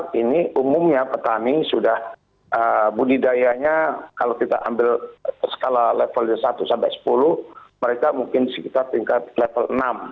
saat ini umumnya petani sudah budidayanya kalau kita ambil skala levelnya satu sampai sepuluh mereka mungkin sekitar tingkat level enam